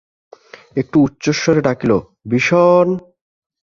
একটু উচ্চস্বরে ডাকিল, বিষন!